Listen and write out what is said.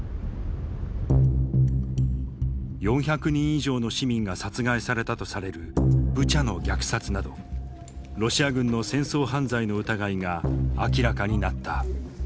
４００人以上の市民が殺害されたとされるブチャの虐殺などロシア軍の戦争犯罪の疑いが明らかになった。